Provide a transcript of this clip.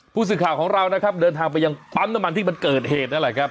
ผู้สื่อข่าวของเรานะครับเดินทางไปยังปั๊มน้ำมันที่มันเกิดเหตุนั่นแหละครับ